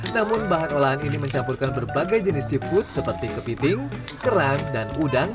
namun bahan olahan ini mencampurkan berbagai jenis seafood seperti kepiting kerang dan udang